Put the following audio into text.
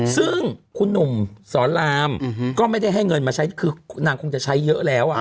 ซึ่งคุณหนุ่มสอนรามก็ไม่ได้ให้เงินมาใช้คือนางคงจะใช้เยอะแล้ว